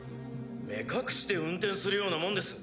目隠しで運転するようなもんです。